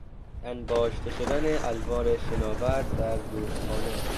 انباشته شدن الوار شناور در رودخانه